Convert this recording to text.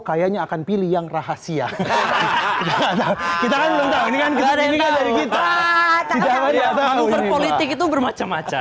kayaknya akan pilih yang rahasia kita akan menanggung kita ada yang tahu itu bermacam macam